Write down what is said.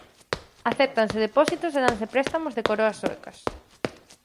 Acéptanse depósitos e danse préstamos en coroas suecas.